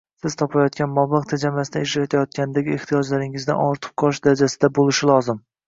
Siz topayotgan mablag’ tejamasdan ishlatgandagi ehtiyojlaringizdan ortib qolish darajasida bo’lishi zarur